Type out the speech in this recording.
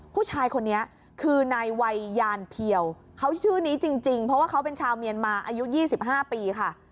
ผู้ชายคนนี้คือนายวัยยานเพียวเขาชื่อนี้จริงเพราะว่าเขาเป็นชาวเมียนมาอายุ๒๕ปีค่ะ